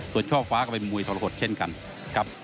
ส่วนช่อฟ้าก็เป็นมวยทรหดเช่นกันครับ